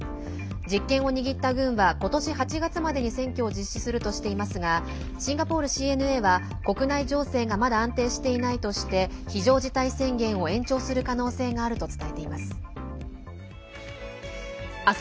実権を握った軍は今年８月までに選挙を実施するとしていますがシンガポールＣＮＡは国内情勢がまだ安定していないとして非常事態宣言を延長する可能性があると伝えています。